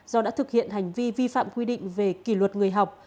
do đã thực hiện hành vi vi phạm quy định về kỷ luật người học